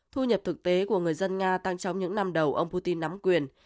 thu nhập thực tế của người dân nga tăng trong những năm đầu ông putin nắm quyền